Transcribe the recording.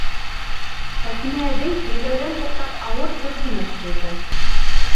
Хәкимә әбей, һөйләүҙән туҡтап, ауыр көрһөнөп ҡуйҙы.